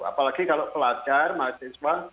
apalagi kalau pelajar mahasiswa